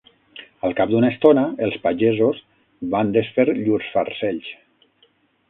Al cap d'una estona, els pagesos van desfer llurs farcells